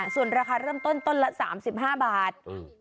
ส่วนราคาเริ่มต้นต้นละ๓๕บาท